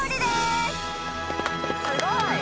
すごい！